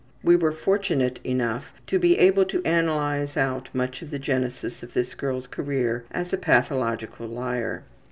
We were fortunate enough to be able to analyze out much of the genesis of this girl's career as a pathological liar.